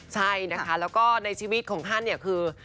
ใช่นะคะแล้วก็ในชีวิตของท่านเนี่ยคือ